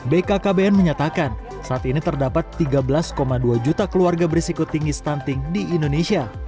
bkkbn menyatakan saat ini terdapat tiga belas dua juta keluarga berisiko tinggi stunting di indonesia